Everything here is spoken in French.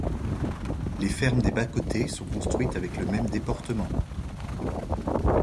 Les fermes des bas-côtés sont construites avec le même déportement.